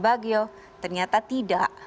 mbak gio ternyata tidak